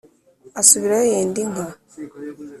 Asubirayo yenda inka.